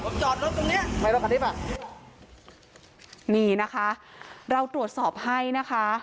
ล็อกจอดล็อกตรงเนี้ยใครล็อกคันนี้ป่ะนี่นะคะเราตรวจสอบให้นะคะ